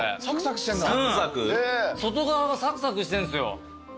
うん外側がサクサクしてんすよ。